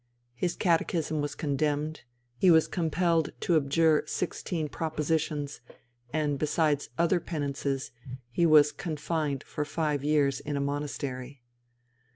His catechism was condemned; he was compelled to abjure sixteen propositions, and besides other penances he was confined for five years in a monastery.